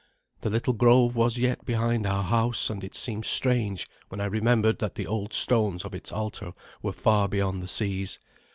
The little grove was yet behind our house, and it seemed strange when I remembered that the old stones of its altar were far beyond the seas.